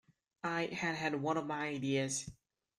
I had had one of my ideas.